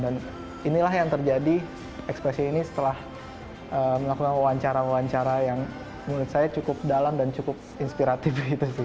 dan inilah yang terjadi ekspresi ini setelah melakukan wawancara wawancara yang menurut saya cukup dalam dan cukup inspiratif